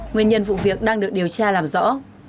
nguyên nhân vụ việc đang được điều tra làm rõ